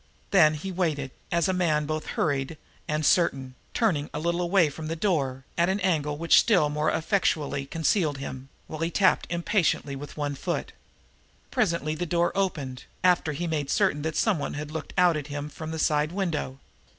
Then he waited, as a man both hurried and certain, turning a little away from the door, at an angle which still more effectually concealed him, while he tapped impatiently with one foot. Presently the door opened, after he made certain that someone had looked out at him from the side window.